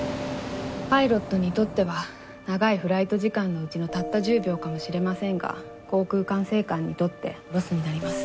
パイロットにとっては長いフライト時間のうちのたった１０秒かもしれませんが航空管制官にとってロスになります。